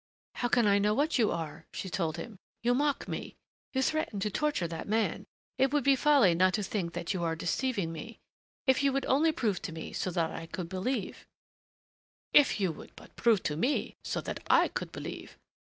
"How can I know what you are?" she told him. "You mock me you threaten to torture that man it would be folly not to think that you are deceiving me. If you would only prove to me so that I could believe " "If you would but prove to me so that I could believe